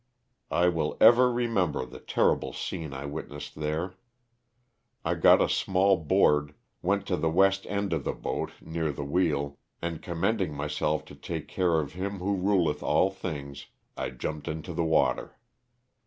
I will ever remember the terrible scene I witnessed there. I got a small board, went to the west end of the boat, near the wheel, and commending myself to the care of Him who ruleth all things, I jumped into the water.